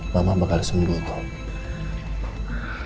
mama bakal sembuh kok